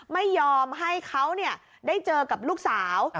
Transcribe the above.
ไม่ยอมให้เขาได้เจอกับลูกสาว